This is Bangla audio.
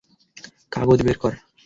কাগজ বের কর।